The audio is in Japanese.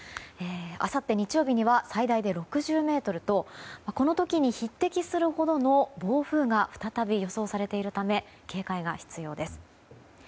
あさって日曜日には最大で６０メートルとこの時に匹敵するほどの暴風が再び予想されているため警戒が必要です。